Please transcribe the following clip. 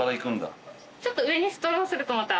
ちょっと上にストローするとまた。